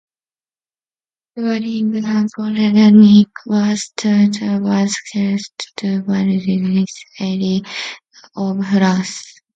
During the Napoleonic Wars Tyrol was ceded to Bavaria, ally of France.